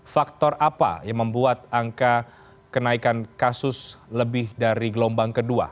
faktor apa yang membuat angka kenaikan kasus lebih dari gelombang kedua